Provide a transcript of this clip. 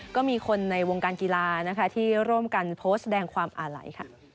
ก็มีคนในวงการกีฬาที่ร่วมกันโพสต์แสดงความอาลัย